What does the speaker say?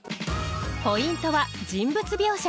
ポイントは「人物描写」。